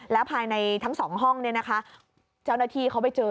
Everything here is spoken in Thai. แล้วภายในทั้ง๒ห้องแจ้วหน้าที่เขาไปเจอ